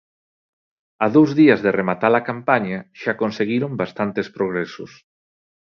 A dous días de rematar a campaña, xa conseguiron bastantes progresos.